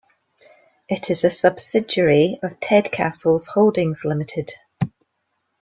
It is a subsidiary of Tedcastles Holdings Limited.